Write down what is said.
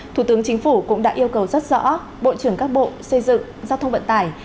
thủ tướng chính phủ cũng đã yêu cầu rất rõ bộ trưởng các bộ xây dựng giao thông vận tải